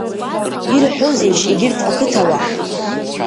Ирҳәозеишь егьырҭ ақыҭауаа?